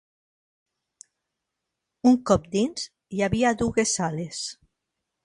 Un cop dins, hi havia dugues sales